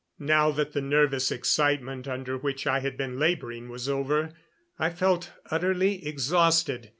Now that the nervous excitement under which I had been laboring was over, I felt utterly exhausted.